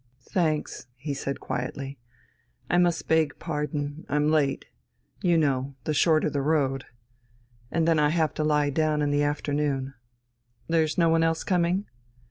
"Thanks," he said quietly. "I must beg pardon ... I'm late. You know, the shorter the road ... And then I have to lie down in the afternoon.... There's no one else coming?"